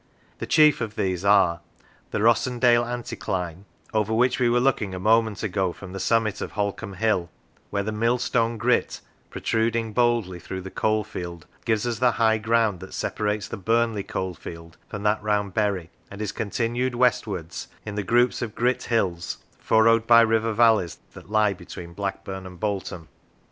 The chief of these are: the Rossendale anticline, over which we were looking a moment ago from the summit of Holcombe Hill, where the mill stone grit, protruding boldly through the coalfield, gives us the high ground that separates the Burnley coalfield from that round Bury, and is continued westwards, in the groups of grit hills, furrowed by river valleys, that lie between Blackburn and Bolt on.